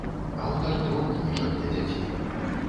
Аўтар трох кніжак для дзяцей.